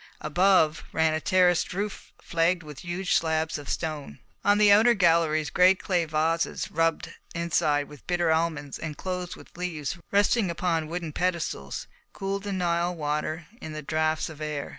Above ran a terraced roof flagged with huge slabs of stone. On the outer galleries great clay vases, rubbed inside with bitter almonds and closed with leaves, resting upon wooden pedestals, cooled the Nile water in the draughts of air.